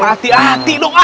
hati hati dong ah